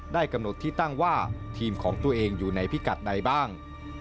กำหนดที่ตั้งว่าทีมของตัวเองอยู่ในพิกัดใดบ้าง